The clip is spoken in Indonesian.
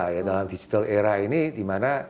kita masuk dalam digital era ini